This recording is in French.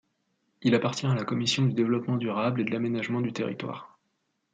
Il appartient à la commission du Développement durable et de l'Aménagement du territoire.